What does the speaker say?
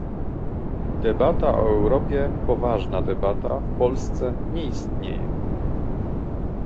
Debata o Europie, poważna debata, w Polsce nie istnieje